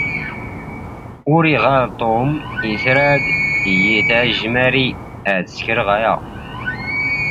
ⵓⵔ ⵉⵖⴰⵍ ⵟⵓⵎ ⵉⵙ ⵔⴰⴷ ⵉⵢⵉ ⵜⴰⵊⵊ ⵎⴰⵔⵉ ⴰⴷ ⵙⴽⵔⵖ ⴰⵢⴰ.